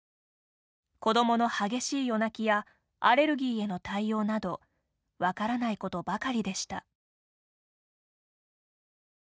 子どもの激しい夜泣きやアレルギーへの対応など分からないことばかりでした。